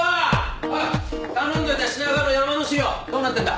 おい頼んどいた品川のヤマの資料どうなってんだ？